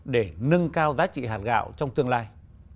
để nâng cao giá trị hạt gạo trong tương lai